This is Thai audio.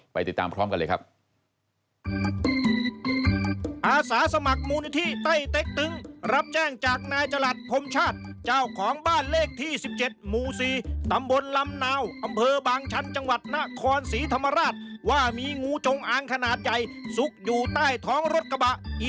ติดตามพร้อมกันเลยครับ